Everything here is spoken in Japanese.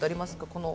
この。